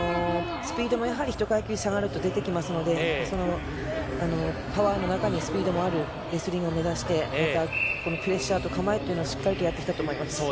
スピードも１階級下がると出てきますのでパワーの中にスピードもあるレスリングを目指して、このプレッシャーと構えをしっかりやってきたと思います。